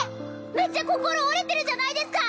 めっちゃ心折れてるじゃないですか！